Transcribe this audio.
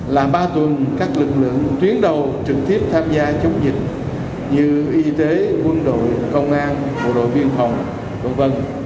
là ba tuần các lực lượng tuyến đầu trực tiếp tham gia chống dịch như y tế quân đội công an bộ đội biên phòng v v